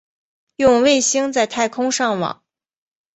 用卫星在太空上网